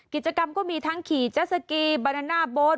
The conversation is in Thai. กิจกรรมก็มีทั้งขี่แจ๊ะสกีบานาน่าโบสต์